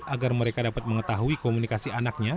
agar mereka dapat mengetahui komunikasi anaknya